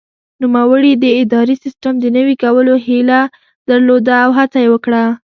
نوموړي د اداري سیسټم د نوي کولو هیله درلوده او هڅه یې وکړه.